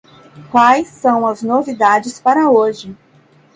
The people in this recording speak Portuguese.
Quais são as novidades para hoje?